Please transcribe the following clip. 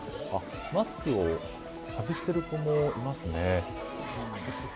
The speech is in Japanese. マスクを外している子もいますね。